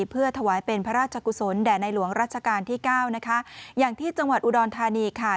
เพื่อถวายเป็นพระราชกุศลแด่ในหลวงรัชกาลที่เก้านะคะอย่างที่จังหวัดอุดรธานีค่ะ